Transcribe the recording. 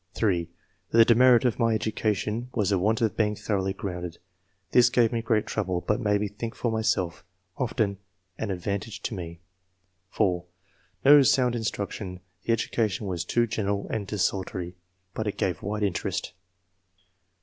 (3) ''The demerit of my education was the want of being thoroughly grounded ; this gave me great trouble, but made me think for myself ; often an advantage to me." (4) No sound instruction ; the education was too general and desultory, but it gave wide interest.